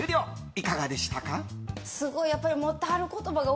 いかがでしたか？